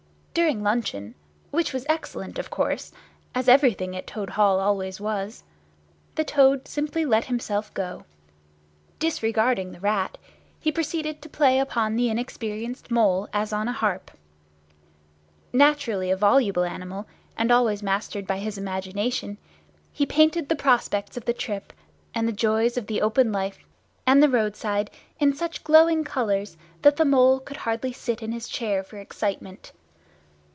During luncheon—which was excellent, of course, as everything at Toad Hall always was—the Toad simply let himself go. Disregarding the Rat, he proceeded to play upon the inexperienced Mole as on a harp. Naturally a voluble animal, and always mastered by his imagination, he painted the prospects of the trip and the joys of the open life and the roadside in such glowing colours that the Mole could hardly sit in his chair for excitement.